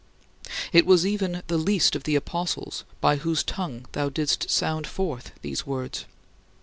" It was even "the least of the apostles" by whose tongue thou didst sound forth these words.